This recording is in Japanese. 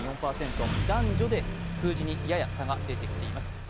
男女で数字にやや違いが出てきています。